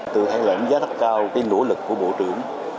từ tháng lãnh giá rất cao cái nỗ lực của bộ trưởng